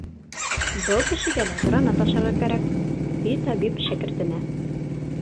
Был кешегә лә гранат ашарға кәрәк, — ти табип шәкертенә.